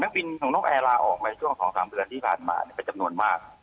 บินของนกแอร์ลาออกมาช่วง๒๓เดือนที่ผ่านมาเป็นจำนวนมาก